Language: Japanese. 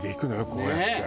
こうやって。